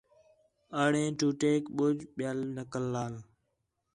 آڈیو ٹوٹیک ٻُجھ، ٻِیا نقل لال